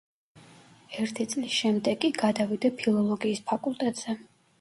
ერთი წლის შემდეგ კი გადავიდა ფილოლოგიის ფაკულტეტზე.